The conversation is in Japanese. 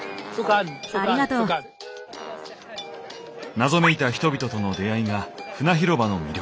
謎めいた人々との出会いがフナ広場の魅力。